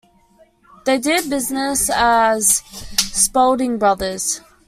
They did business as Spaulding Brothers.